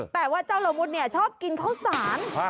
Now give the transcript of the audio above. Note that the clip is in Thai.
แต่ว่าเจ้าละมุดเนี่ยชอบกินข้าวสาร